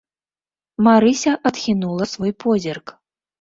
Марыся адхінула свой позірк.